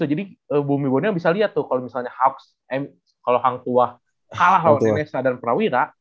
jadi bumi bawoneo bisa liat tuh kalo misalnya hauks eh kalo hang tuah kalah lawan enesha dan prawira